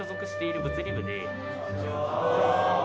こんにちは。